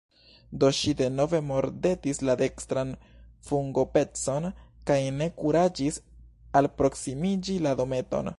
Do ŝi denove mordetis la dekstran fungopecon, kaj ne kuraĝis alproksimiĝi la dometon.